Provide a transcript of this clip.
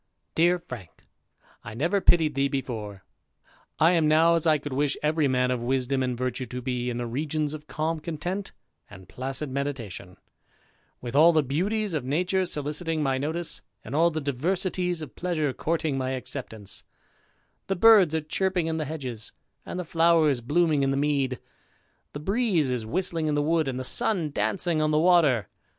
Dear Frank, " I never pitied thee before. I am now as I could wish every man of wisdom and virtue to be, in the regions of calm content and placid meditation; with all the beauties of nature soliciting my notice, and all the diversities of pleasure courting my acceptance; the birds are chirping in the hedges, and the flowers blooming in the mead ; the breeze is ^istling in the wood, and the sun dancing on the water. 320 THE IDLER.